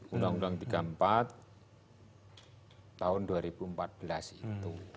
undang undang tiga puluh empat tahun dua ribu empat belas itu